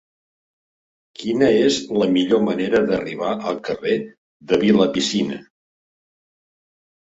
Quina és la millor manera d'arribar al carrer de Vilapicina?